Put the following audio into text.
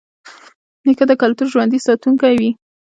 نیکه د کلتور ژوندي ساتونکی وي.